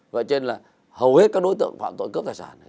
vậy cho nên là hầu hết các đối tượng phạm tội cướp tài sản